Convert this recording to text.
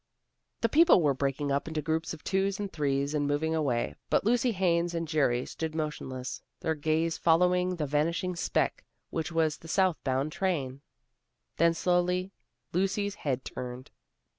The people were breaking up into groups of twos and threes, and moving away, but Lucy Haines and Jerry stood motionless, their gaze following the vanishing speck which was the south bound train. Then slowly Lucy's head turned.